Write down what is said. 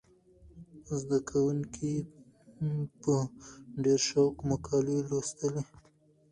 زده کوونکي په ډېر شوق مقالې لوستلې.